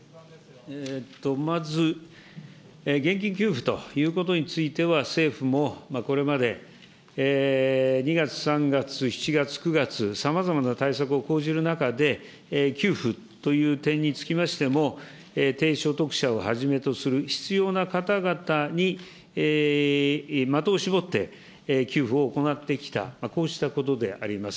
まず、現金給付ということについては、政府もこれまで、２月、３月、７月、９月、さまざまな対策を講じる中で、給付という点につきましても、低所得者をはじめとする必要な方々に的を絞って給付を行ってきた、こうしたことであります。